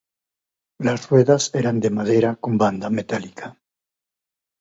Las ruedas eran de madera con banda metálica.